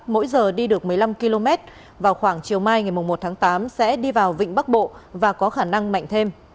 mỗi giờ đi được một mươi năm km vào khoảng chiều mai ngày một tháng tám sẽ đi vào vịnh bắc bộ và có khả năng mạnh thêm